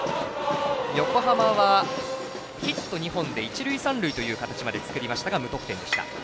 横浜はヒット２本で一塁三塁という形まで作りましたが無得点でした。